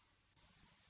makanya mak sudah selesai